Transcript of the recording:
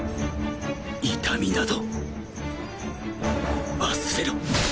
痛みなど忘れろ